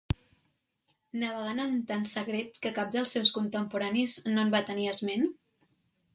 Navegant amb tant secret que cap dels seus contemporanis no en va tenir esment?